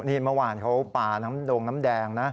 นี่เมื่อวานเขาปลาน้ำดงน้ำแดงนะ